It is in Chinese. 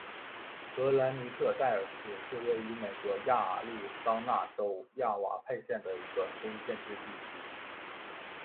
格兰尼特戴尔斯是位于美国亚利桑那州亚瓦派县的一个非建制地区。